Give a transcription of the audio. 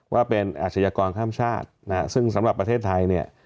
ว่าเป็นอาชญากรข้ามชาติซึ่งสำหรับประเทศไทยเนี่ย